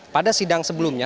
pada sidang sebelumnya